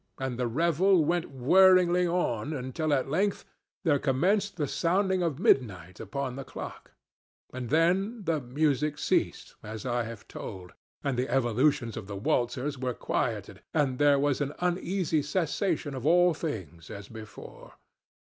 And the revel went whirlingly on, until at length there commenced the sounding of midnight upon the clock. And then the music ceased, as I have told; and the evolutions of the waltzers were quieted; and there was an uneasy cessation of all things as before.